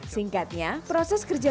singkatnya proses gerakan